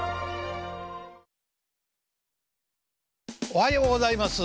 おはようございます。